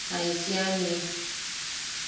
¡Jaisiʼani!